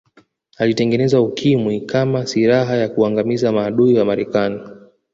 alitengeneza ukimwi kama siraha ya kuwaangamiza maadui wa marekani